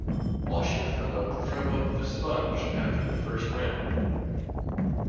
Why should a fellow throw up the sponge after the first round.